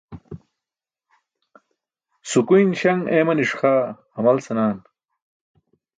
Sukuyn śaṅ eemani̇ṣ xaa hamal senaan.